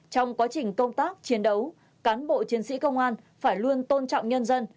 trong quá trình công tác chiến đấu cán bộ chiến sĩ công an phải luôn tôn trọng nhân dân